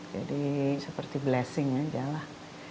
jadi seperti blessing aja lah